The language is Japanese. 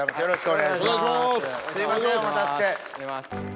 よろしくお願いします。